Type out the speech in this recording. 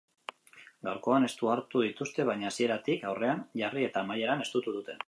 Gaurkoan estu hartu dituzte baina hasieratik aurrean jarri eta amaieran estutu dute.